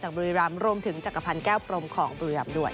จากบริรามรวมถึงจักรพันธ์แก้วปรมของบริรามด้วย